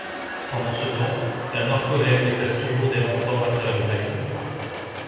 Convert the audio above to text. Pendant ce temps, la nord-coréenne déplace toujours des renforts à travers le Nakdong.